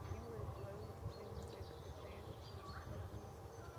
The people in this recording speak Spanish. Miembro de los jurados de los premios del secretariado de propaganda nacional.